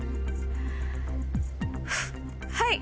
はい！